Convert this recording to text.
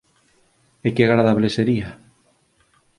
E que agradable sería…